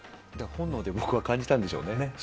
本能で感じたんでしょうね。